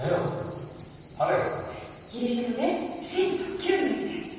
ギリシャ語で「新」と「旧」の意味です。